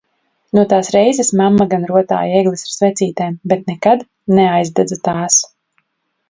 No tās reizes mamma gan rotāja egles ar svecītēm, bet nekad neaidedza tās!